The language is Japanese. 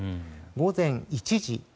午前１時。